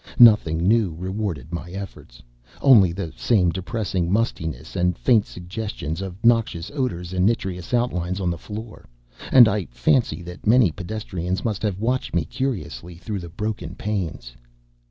Nothing new rewarded my efforts only the same depressing mustiness and faint suggestions of noxious odors and nitrous outlines on the floor and I fancy that many pedestrians must have watched me curiously through the broken panes.